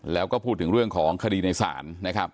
แล้วก็พูดถึงเรื่องของคดีในศาลนะครับ